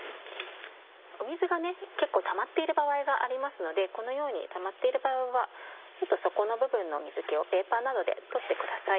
水が結構たまっている場合がありますのでこのようにたまっている場合はちょっと底の部分の水気をペーパーなどで取ってください。